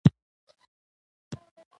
ارزن په نورستان کې کرل کیږي.